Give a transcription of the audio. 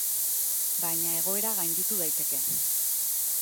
Baina egoera gainditu daiteke.